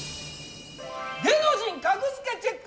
芸能人格付けチェック！